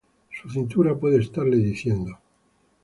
Su cintura puede estarle diciendo